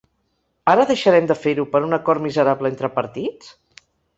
Ara deixarem de fer-ho per un acord miserable entre partits?